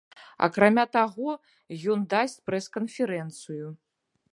Акрамя таго, ён дасць прэс-канферэнцыю.